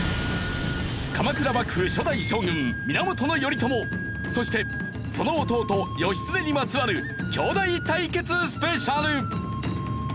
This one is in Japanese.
鎌倉幕府初代将軍源頼朝そしてその弟義経にまつわる兄弟対決スペシャル！